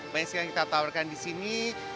banyak sekali yang kita tawarkan di sini